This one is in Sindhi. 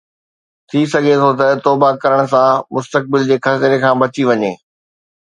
ٿي سگهي ٿو ته توبه ڪرڻ سان مستقبل جي خطري کان بچي وڃي